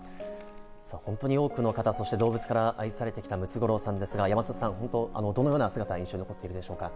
本当に多くの方、動物から愛されてきたムツゴロウさんですが、山里さん、どのような姿が印象に残っていますか？